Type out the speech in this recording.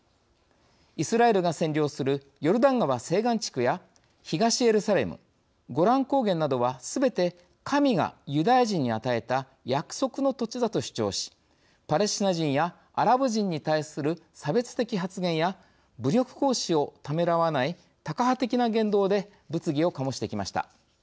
イスラエルが占領するヨルダン川西岸地区や東エルサレムゴラン高原などはすべて神がユダヤ人に与えた約束の土地だと主張しパレスチナ人やアラブ人に対する差別的発言や武力行使をためらわないタカ派的な言動で物議を醸してきました。